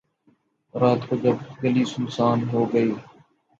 رات کو جب گلی سنسان ہو گئی